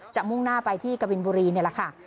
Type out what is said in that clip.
มุ่งหน้าไปที่กะบินบุรีนี่แหละค่ะ